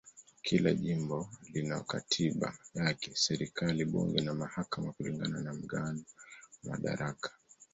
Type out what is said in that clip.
Kila jimbo lina katiba yake, serikali, bunge na mahakama kulingana na mgawanyo wa madaraka.